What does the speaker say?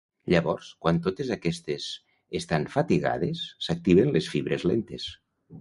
Llavors, quan aquestes estan fatigades s'activen les fibres lentes.